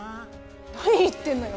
何言ってんのよ